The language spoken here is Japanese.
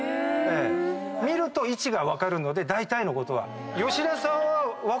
見ると位置が分かるのでだいたいのことは。